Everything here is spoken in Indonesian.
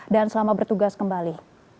dan selamat bertugas kembali